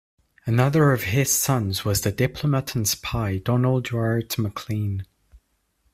Another of his sons was the diplomat and spy, Donald Duart Maclean.